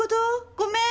ごめーん！